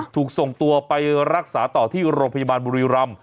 ถูกส่งตัวไปรักษาต่อที่โรงพยาบาลบุรีรำ